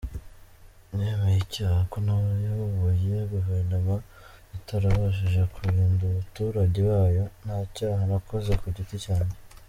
Nemeye icyaha ko nayoboye Guverinoma itarabashije kurinda abaturage bayo, ntacyaha nakoze ku giti cyanjye.